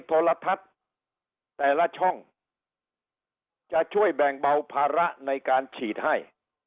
โทรทัศน์แต่ละช่องจะช่วยแบ่งเบาภาระในการฉีดให้